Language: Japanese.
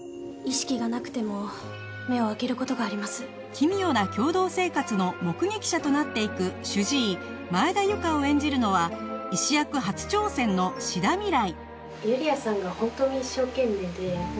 奇妙な共同生活の目撃者となっていく主治医前田有香を演じるのは医師役初挑戦の志田未来